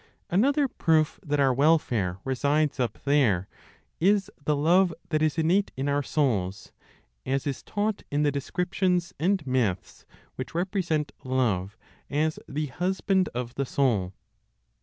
Another proof that our welfare resides up there is the love that is innate in our souls, as is taught in the descriptions and myths which represent love as the husband of the soul.